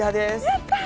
やったー！